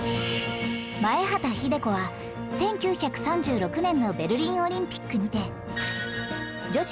前畑秀子は１９３６年のベルリンオリンピックにて